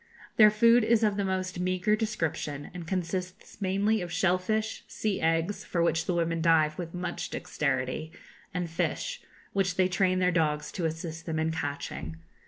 Their food is of the most meagre description, and consists mainly of shell fish, sea eggs, for which the women dive with much dexterity, and fish, which they train their dogs to assist them in catching.